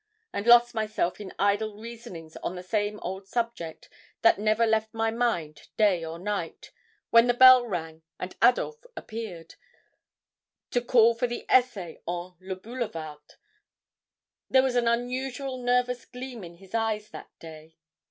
and lost myself in idle reasonings on the same old subject that never left my mind day or night, when the bell rang and Adolphe appeared, to call for the essay on 'Le Boulevarde.' There was an unusually nervous gleam in his eyes that day.